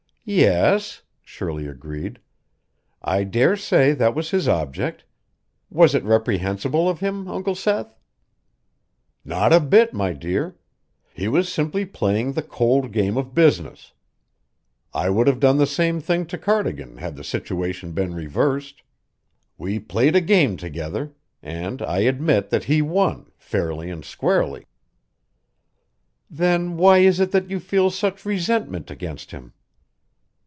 "Yes," Shirley agreed, "I dare say that was his object. Was it reprehensible of him, Uncle Seth?" "Not a bit, my dear. He was simply playing the cold game of business. I would have done the same thing to Cardigan had the situation been reversed. We played a game together and I admit that he won, fairly and squarely." "Then why is it that you feel such resentment against him?"